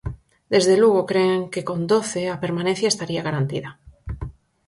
Desde Lugo cren que con doce a permanencia estaría garantida.